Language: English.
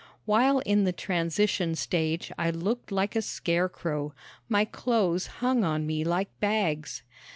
While in the transition stage I looked like a scarecrow. My clothes hung on me like bags.